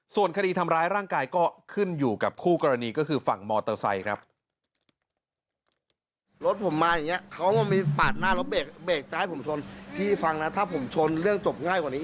ส่วนคดีทำร้ายร่างกายก็ขึ้นอยู่กับคู่กรณีก็คือฝั่งมอเตอร์ไซค์ครับ